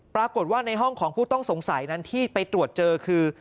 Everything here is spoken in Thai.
ปรากฏว่าในห้องของผู้ต้องสงสัยนั้นที่ไปตรวจเจอคือ